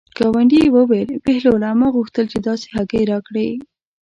ګاونډي یې وویل: بهلوله ما غوښتل چې داسې هګۍ راکړې.